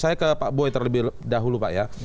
saya ke pak boy terlebih dahulu pak ya